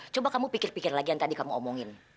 coba kamu pikir pikir lagi yang tadi kamu omongin